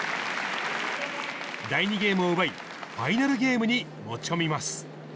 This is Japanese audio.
第２ゲームを奪い、ファイナルゲームに持ち込みます。